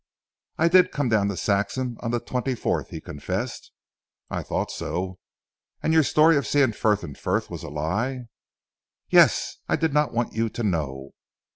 "I did come down to Saxham on the twenty fourth," he confessed. "I thought so. And your story of seeing Frith and Frith was a lie." "Yes! I did not want you to know."